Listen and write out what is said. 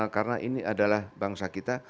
karena ini adalah bangsa kita